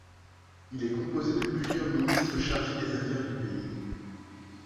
Il est composé de plusieurs ministres chargés des affaires du pays.